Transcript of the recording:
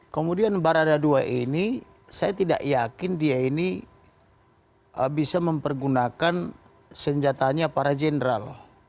kemudian barada dua ini saya tidak yakin dia ini bisa mempergunakan senjatanya para jenderal